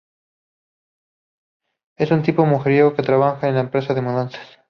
Es un tipo mujeriego que trabaja en la empresa de mudanzas.